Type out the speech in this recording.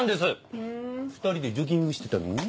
２人でジョギングしてたの？